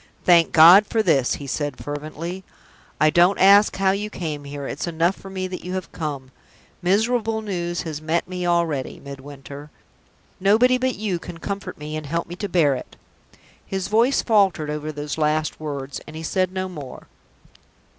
"Thank God for this!" he said, fervently. "I don't ask how you came here: it's enough for me that you have come. Miserable news has met me already, Midwinter. Nobody but you can comfort me, and help me to bear it." His voice faltered over those last words, and he said no more.